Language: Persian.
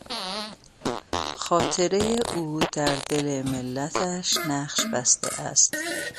خاطرهی او در دل ملتش نقش بسته است.